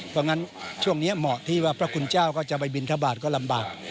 เพราะงั้นช่วงนี้เหมาะที่ว่าพระคุณเจ้าก็จะไปบินทบาทก็ลำบาก